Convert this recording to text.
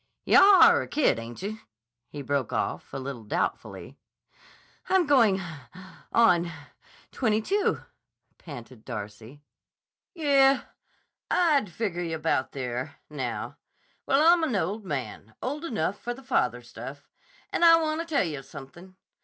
"Yah are a kid, ainche?" he broke off, a little doubtfully. "I'm going—on—twenty two," panted Darcy. "Yeh, I'd figure yah about there—now. Well, I'm an old man; old enough for the father stuff. And I wanta tell yah something.